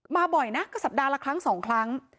บ่อยนะก็สัปดาห์ละครั้งสองครั้ง